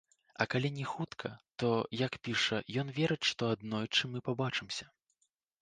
А калі не хутка, то, як піша, ён верыць, што аднойчы мы пабачымся.